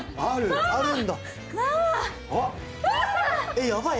えっやばい！